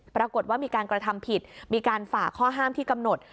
ปรากฏว่ามีการกระทำผิดมีการฝ่าข้อห้ามที่กำหนด